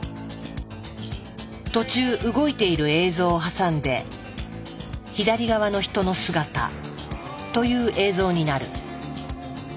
途中動いている映像を挟んで左側の人の姿という映像になる。